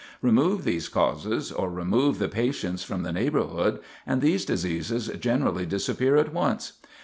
Remove these causes, or remove the patients from the neighborhood, and these diseases generally disappear at once.